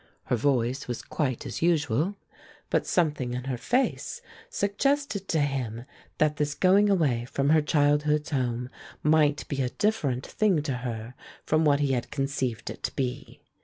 Her voice was quite as usual, but something in her face suggested to him that this going away from her childhood's home might be a different thing to her from what he had conceived it to be.